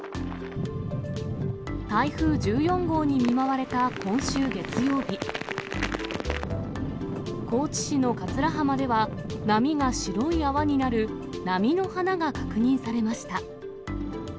台風１４号に見舞われた今週月曜日、高知市の桂浜では、波が白い泡になる波の花が確認されました。